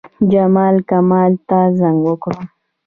جمال، کمال ته زنګ وکړ.